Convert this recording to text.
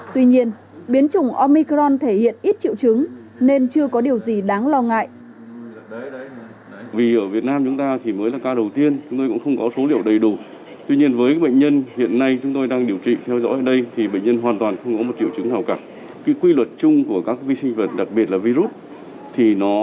tuy nhiên biến chủng omicron thể hiện ít triệu chứng nên chưa có điều gì đáng lo ngại